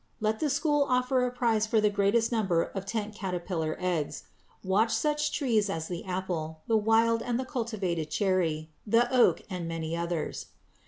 Let the school offer a prize for the greatest number of tent caterpillar eggs. Watch such trees as the apple, the wild and the cultivated cherry, the oak, and many others.